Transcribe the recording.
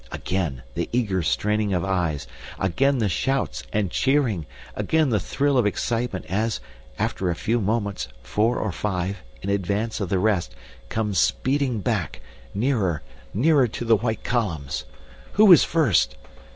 Again the eager straining of eyes, again the shouts and cheering, again the thrill of excitement as, after a few moments, four or five, in advance of the rest, come speeding back, nearer, nearer to the white columns. Who is first?